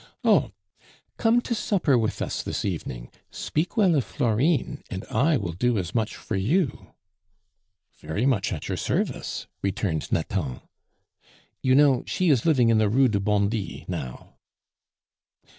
"Oh! come to supper with us this evening; speak well of Florine, and I will do as much for you." "Very much at your service," returned Nathan. "You know; she is living in the Rue du Bondy now."